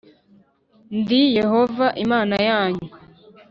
ndi Yehova Imana yanyu